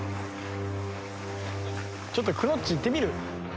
ちょっとくのっちいってみる？